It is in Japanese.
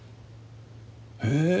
へえ。